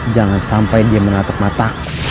jangan sampai dia menatap mata